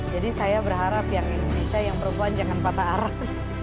jadi saya berharap yang indonesia yang perempuan jangan patah arah